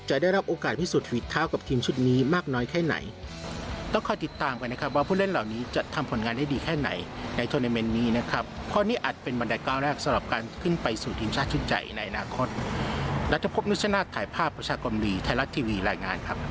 ได้รับโอกาสพิสูจนฝีดเท้ากับทีมชุดนี้มากน้อยแค่ไหน